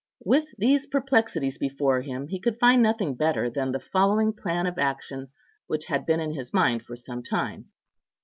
With these perplexities before him, he could find nothing better than the following plan of action, which had been in his mind for some time.